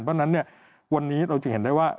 เพราะฉะนั้นวันนี้เราจะเห็นได้ว่า